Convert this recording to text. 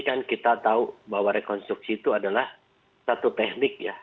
kan kita tahu bahwa rekonstruksi itu adalah satu teknik ya